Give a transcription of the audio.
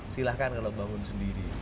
silahkan kalau bangun sendiri